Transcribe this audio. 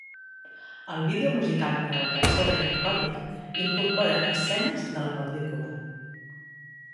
El vídeo musical per a la cançó de Yankovic incorpora escenes de la pel·lícula.